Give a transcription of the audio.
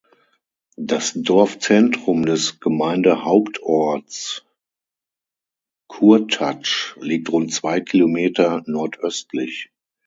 Das Dorfzentrum des Gemeindehauptorts Kurtatsch liegt rund zwei Kilometer nordöstlich.